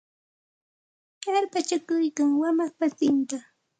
Yarpachakuykan wamaq wasinta.